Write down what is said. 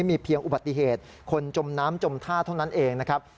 มีเพียงอุบัติเหตุคนจมน้ำจมท่าเท่านั้นเองนะครับ